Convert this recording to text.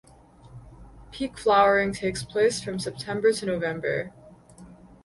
Peak flowering takes place from September to November.